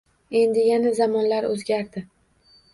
Endi yana zamonlar o‘zgardi